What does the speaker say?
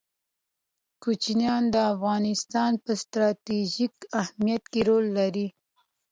کوچیان د افغانستان په ستراتیژیک اهمیت کې رول لري.